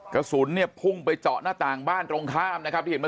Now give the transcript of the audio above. กระสุนเนี่ยพุ่งไปเจาะหน้าต่างบ้านตรงข้ามนะครับที่เห็นไหม